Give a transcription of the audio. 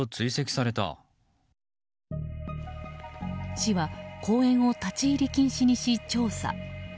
市は公園を立ち入り禁止にし調査。